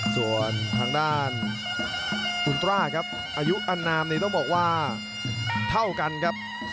ส่วนทางด้านคุณตราครับอายุอนามนี่ต้องบอกว่าเท่ากันครับ